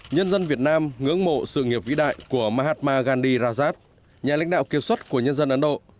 nhân dân việt nam ngưỡng mộ sự nghiệp vĩ đại của mahatma gandhi rajad nhà lãnh đạo kiên suất của nhân dân ấn độ